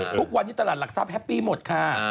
ทุกวันนี้ตลาดหลักทรัพย์แฮปปี้หมดค่ะ